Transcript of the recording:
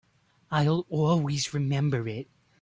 I'll always remember it.